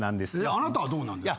あなたはどうなんですか？